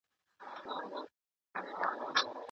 چي لا شرنګ وي په رباب کي پر شهباز به مي نوم ګرځي